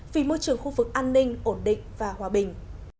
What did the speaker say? vì môi trường khu vực an ninh ổn định và hòa bình